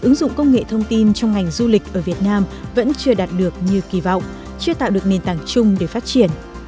ứng dụng công nghệ thông tin trong ngành du lịch ở việt nam vẫn chưa đạt được như kỳ vọng chưa tạo được nền tảng chung để phát triển